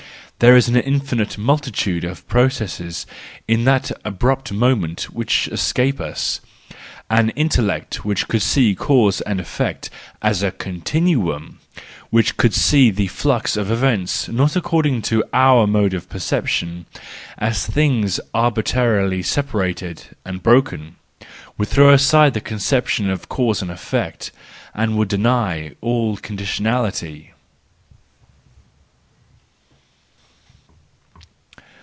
There is an infinite multitude of processes in that abrupt moment which escape us. An intellect which could see cause and effect as a continuum , which could see the flux of events not according to our mode of perception, as things arbitrarily separated and broken—would throw aside THE JOYFUL WISDOM, III 159 the conception of cause and effect, and would deny all conditionality.